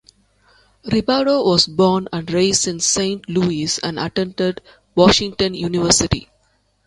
Ribaudo was born and raised in Saint Louis and attended Washington University.